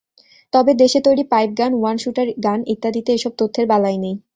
তবে দেশে তৈরি পাইপগান, ওয়ান শুটার গান ইত্যাদিতে এসব তথ্যের বালাই নেই।